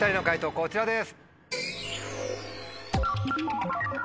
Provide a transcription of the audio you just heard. こちらです。